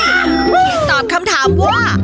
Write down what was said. ที่ตอบคำถามว่า